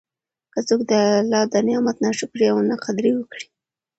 که څوک د الله د نعمت نا شکري او نا قدري وکړي